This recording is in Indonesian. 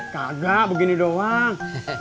kagak begini doang